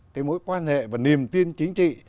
cái mối quan hệ và niềm tin chính trị